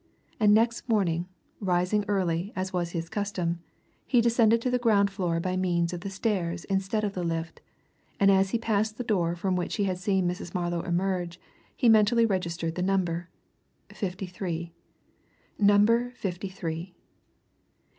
And next morning, rising early, as was his custom, he descended to the ground floor by means of the stairs instead of the lift, and as he passed the door from which he had seen Mrs. Marlow emerge he mentally registered the number. Fifty three. Number fifty three.